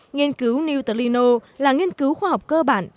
nghiên cứu neutrino là nghiên cứu khoa học cơ bản